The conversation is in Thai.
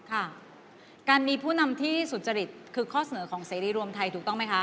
ค่ะการมีผู้นำที่สุจริตคือข้อเสนอของเสรีรวมไทยถูกต้องไหมคะ